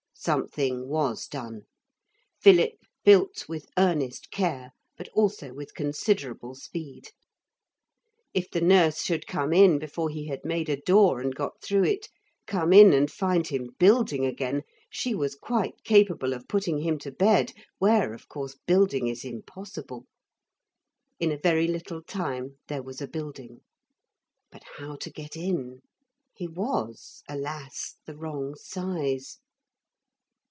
Something was done. Philip built with earnest care, but also with considerable speed. If the nurse should come in before he had made a door and got through it come in and find him building again she was quite capable of putting him to bed, where, of course, building is impossible. In a very little time there was a building. But how to get in. He was, alas, the wrong size.